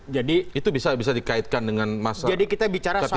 jadi itu bisa bisa dikaitkan dengan masa ketidakberhasilan